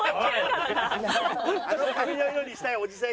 あの髪の色にしたいオジさん